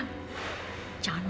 jangan mau dia macet